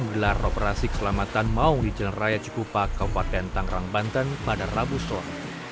gelar operasi keselamatan mau dijenerai cikupa kompaten tangerang banten pada rabu selatan